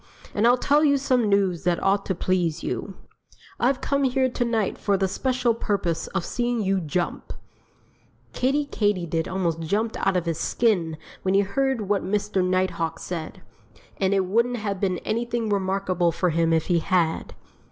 "And I'll tell you some news that ought to please you: I've come here to night for the special purpose of seeing you jump!" Kiddie Katydid almost jumped out of his skin when he heard what Mr. Nighthawk said. And it wouldn't have been anything remarkable for him if he had.